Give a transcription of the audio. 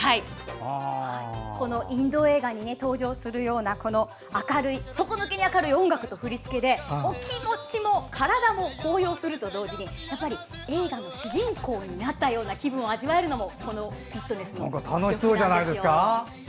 インド映画に登場するような底抜けに明るい音楽と振り付けで気持ちも体も高揚するとともに映画の主人公になったような気分を味わえるのもフィットネスの特徴です。